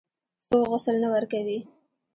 څوک غسل نه ورکوي.